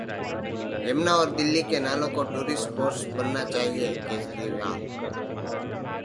यमुना और दिल्ली के नालों को टूरिस्ट स्पॉट बनना चाहते हैं केजरीवाल!